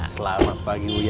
selamat pagi uya